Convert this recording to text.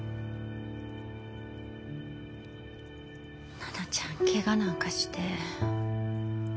奈々ちゃんケガなんかして。